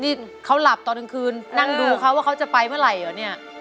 นี่เขาหลับตอนกลางคืนนั่งดูเขาว่าเขาจะไปเมื่อไหร่เหรอเนี่ย